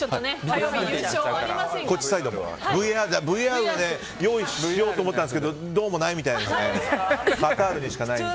ＶＡＲを用意しようと思ったんですがどうもないみたいなので。